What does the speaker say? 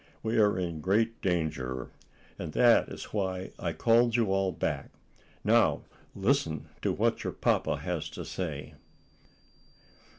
We are in great danger, and that is why I called you all back. Now listen to what your papa has to say."